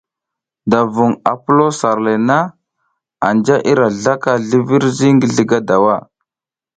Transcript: To vuŋ pulo sar le na anja i ra zlaka zlivirzi ngi zlǝga dawa.